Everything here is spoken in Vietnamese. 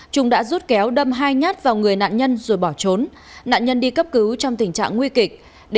chúng đã rút kéo đâm hai nhát vào người nạn nhân rồi bỏ trốn nạn nhân đi cấp cứu trong tình trạng nguy kịch